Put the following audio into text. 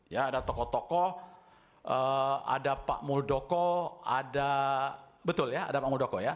ya ada tokoh tokoh ada pak muldoko ada betul ya ada pak muldoko ya